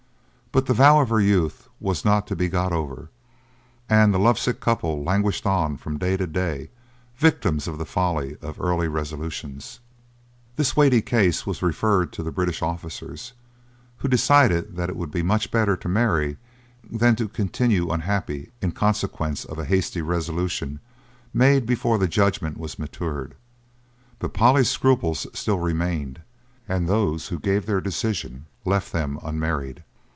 But the vow of her youth was not to be got over, and the lovesick couple languished on from day to day, victims to the folly of early resolutions. This weighty case was referred to the British officers, who decided that it would be much better to marry than to continue unhappy in consequence of a hasty resolution made before the judgement was matured; but Polly's scruples still remained, and those who gave their decision left them unmarried.